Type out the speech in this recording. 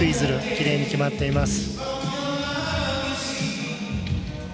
きれいに決まっています。